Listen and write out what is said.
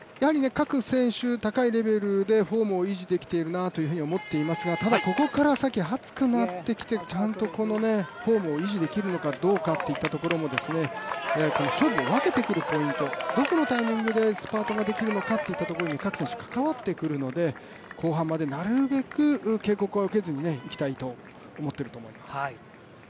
各選手、高いレベルでフォームを維持できているなと思ってますがただここから先、暑くなってきて、ちゃんとこのフォームを維持できるのかどうかっていうところも勝負を分けてくるポイント、どこのタイミングでスパートができるのかというところに各選手関わってくるので後半までなるべく、警告は受けずにいきたいと思っていると思います。